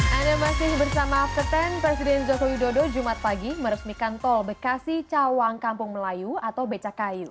anda masih bersama after sepuluh presiden joko widodo jumat pagi meresmikan tol bekasi cawang kampung melayu atau becakayu